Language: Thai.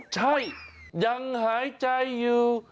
ใช่ยังหายใจอยู่